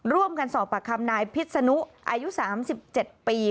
ร่วมกันสอบปากคำนายพิษนุอายุ๓๗ปี